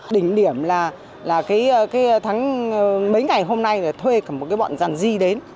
đỉnh điểm là mấy ngày hôm nay thuê cả một bọn giàn di đến